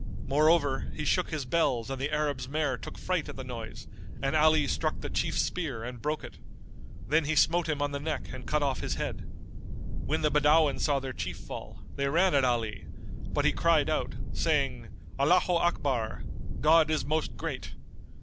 Moreover he shook his bells and the Arab's mare took fright at the noise and Ali struck the Chief's spear and broke it. Then he smote him on the neck and cut off his head.[FN#221] When the Badawin saw their chief fall, they ran at Ali, but he cried out, saying, "Allaho Akbar—God is Most Great!"